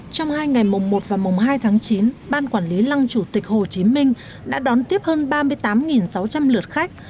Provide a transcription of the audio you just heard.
trong hai ngày mùng một và mùng hai tháng chín ban quản lý lăng chủ tịch hồ chí minh đã đón tiếp hơn ba mươi tám sáu trăm linh lượt khách